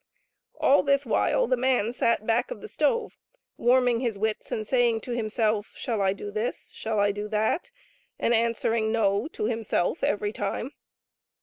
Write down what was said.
All this while the man sat back of the stove, warming his wits and saying to himself, " Shall I do this ? shall I do that ?" and answering " No '* to himself every time.